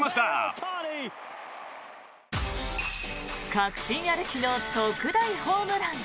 確信歩きの特大ホームラン。